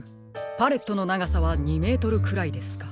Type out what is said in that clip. パレットのながさは２メートルくらいですか。